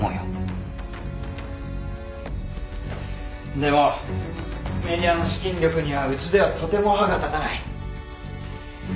でもＭＥＤＩＡの資金力にはうちではとても歯が立たない。